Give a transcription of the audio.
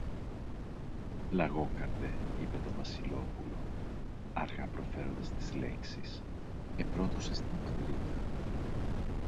Λαγόκαρδε, είπε το Βασιλόπουλο, αργά προφέροντας τις λέξεις, επρόδωσες την Πατρίδα.